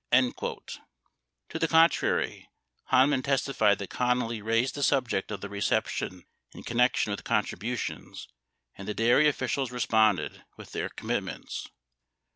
74 To the contrary, Hanman testified that Connally raised the. subject of the reception in connection with contributions and the dairy officials responded with their commitments.